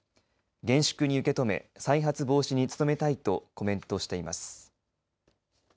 厳粛に受け止め再発防止に努めたいとコメントしています。